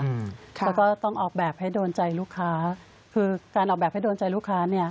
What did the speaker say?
แล้วก็ต้องออกแบบให้โดนใจลูกค้าคือการออกแบบให้โดนใจลูกค้าเนี่ย